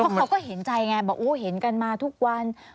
เพราะเขาก็เห็นใจไงบอกโอ้เห็นกันมาทุกวัน